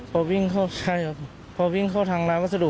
พอวิ่งเข้าใช่ครับพอวิ่งเข้าทางน้ำวัสดุ